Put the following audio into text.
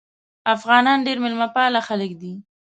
افغانان ډیر میلمه پاله خلک دي.